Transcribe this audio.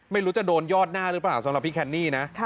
ไม่รู้จะโดนยอดหน้าหรือเปล่าสำหรับพี่แคนนี่นะ